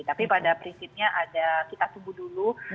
tapi pada prinsipnya ada kita tunggu dulu